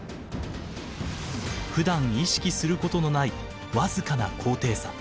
ふだん意識することのない僅かな高低差。